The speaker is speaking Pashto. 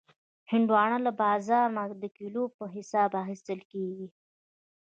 هندوانه له بازار نه د کیلو په حساب اخیستل کېږي.